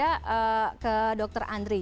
saya sebelum jeda ke dokter andri